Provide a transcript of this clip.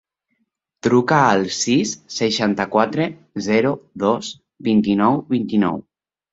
Truca al sis, seixanta-quatre, zero, dos, vint-i-nou, vint-i-nou.